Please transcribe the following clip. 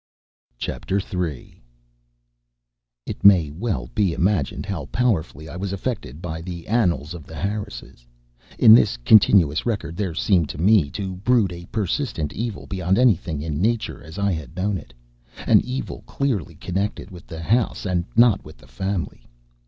3 It may well be imagined how powerfully I was affected by the annals of the Harrises. In this continuous record there seemed to me to brood a persistent evil beyond anything in nature as I had known it; an evil clearly connected with the house and not with the family.